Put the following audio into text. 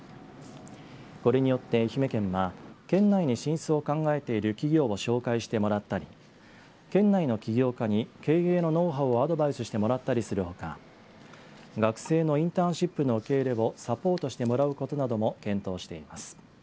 これによって愛媛県は県内に進出を考えてる企業を紹介してもらったり県内の企業家に経営のノウハウをアドバイスしてもらったりするほか学生のインターンシップの受け入れをサポートしてもらうことなども検討しています。